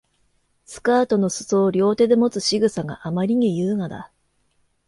スカートの裾を両手でもつ仕草があまりに優雅だ